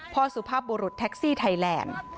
สุภาพบุรุษแท็กซี่ไทยแลนด์